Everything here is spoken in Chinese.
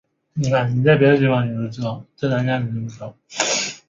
圣德基督学院是位于台湾桃园市中坜区的一所私立基督教学院。